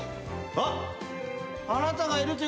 あっ！